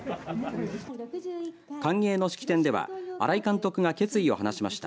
歓迎の式典では新井監督が決意を話しました。